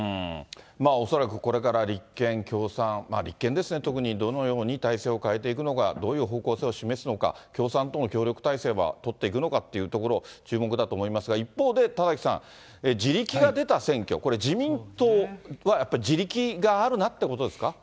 まあ恐らくこれから立憲、共産、立憲ですね、特に、どのように体制を変えていくのか、どういう方向性を示すのか、共産党との協力態勢は取っていくのかっていうところ、注目だと思いますが、一方で、田崎さん、地力が出た選挙、これ、自民党はやっぱり地力があるなということですか。